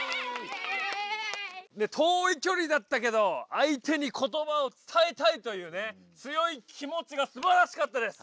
遠いきょりだったけどあいてにことばをつたえたいというね強い気もちがすばらしかったです。